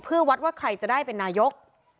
เพื่อวัดว่าใครจะได้เป็นนายก